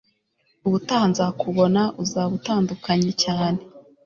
ubutaha nzakubona, uzaba utandukanye cyane